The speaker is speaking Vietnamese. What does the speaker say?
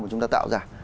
mà chúng ta tạo ra